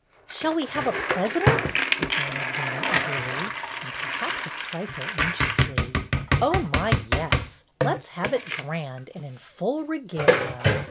''Shall we have a president?" began Ed wyna, eagerly, and perhaps a trifle anxiously. "Oh, my, yes; let 's have it grand and in full regalia."